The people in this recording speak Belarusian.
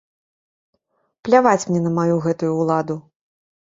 Пляваць мне на маю гэтую ўладу.